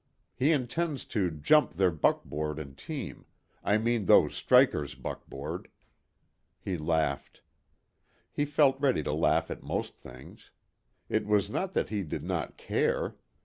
He intends to 'jump' their buckboard and team I mean these strikers' buckboard." He laughed. He felt ready to laugh at most things. It was not that he did not care.